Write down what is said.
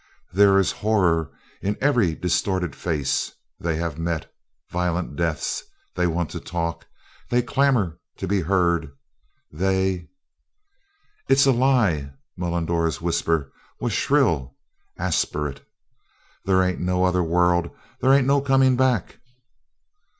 There is horror in every distorted face they have met violent deaths they want to talk they clamor to be heard they " "It's a lie!" Mullendore's whisper was shrill, aspirate. "There ain't no other world! There ain't no comin' back!"